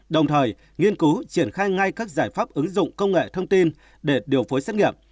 đồng thời nghiên cứu triển khai ngay các giải pháp ứng dụng công nghệ thông tin để điều phối xét nghiệm